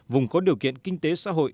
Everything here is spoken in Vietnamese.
vùng có điều kiện kinh tế xã hội